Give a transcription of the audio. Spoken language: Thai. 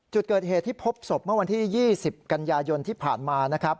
จุดเกิดเหตุที่พบศพเมื่อวันที่๒๐กันยายนที่ผ่านมานะครับ